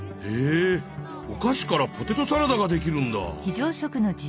へえおかしからポテトサラダができるんだ！